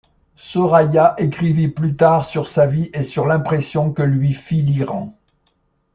Soraya écrivit plus tard sur sa vie et sur l'impression que lui fit l'Iran.